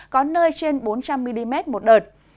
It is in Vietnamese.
có nơi trên bốn trăm linh mm một đợt